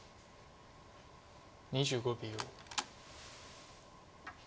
２５秒。